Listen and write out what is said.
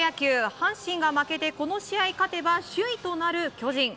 阪神が負けてこの試合、勝てば首位となる巨人。